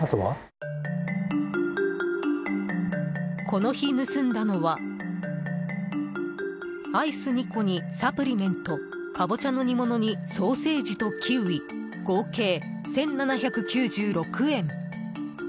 この日、盗んだのはアイス２個に、サプリメントカボチャの煮物にソーセージとキウイ合計１７９６円。